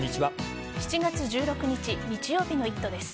７月１６日日曜日の「イット！」です。